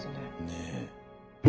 ねえ。